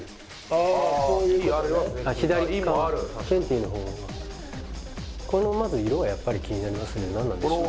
あそういうことあっ左側ケンティの方がこのまず色はやっぱり気になりますね何なんでしょう？